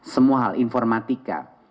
semua hal informatika